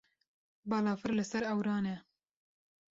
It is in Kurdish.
Balafir li ser ewran e.